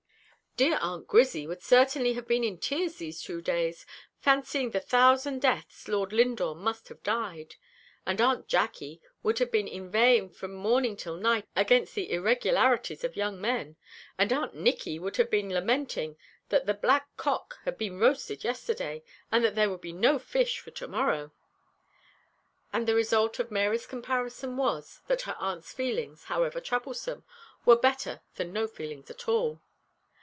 "Dear Aunt Grizzy would certainly have been in tears these two days, fancying the thousand deaths Lord Lindore must have died; and Aunt Jacky would have been inveighing from morning till night against the irregularities of young men. And Aunt Nicky would have been lamenting that the black cock had been roasted yesterday, or that there would be no fish for to morrow." And the result of Mary's comparison was, that her aunts' feelings, however troublesome, were better than no feelings at all.